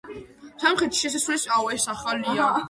სამხრეთით შესასვლელის იმპოსტი ოდნავ მაღალია.